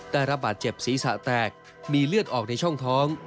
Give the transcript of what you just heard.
ได้รับบาดเจ็บศีรษะแตกมีเลือดออกในช่องท้อง